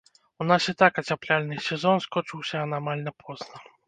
У нас і так ацяпляльны сезон скончыўся анамальна позна.